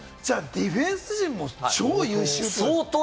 ディフェンス陣も超優秀ということ？